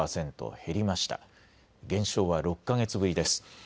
減少は６か月ぶりです。